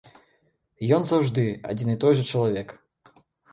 Ён заўжды адзін і той жа чалавек.